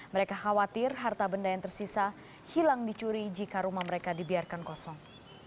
mereka khawatir harta benda yang tersisa hilang dicuri jika rumah mereka dibiarkan kosong